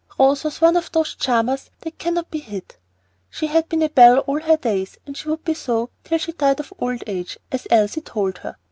Rose was one of those charmers that cannot be hid. She had been a belle all her days, and she would be so till she died of old age, as Elsie told her.